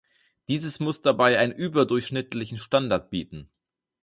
Dieses muss dabei einen überdurchschnittlichen Standard bieten.